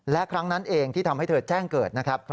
และครั้งนั้นเองที่ทำให้เธอแจ้งเกิดนะครับ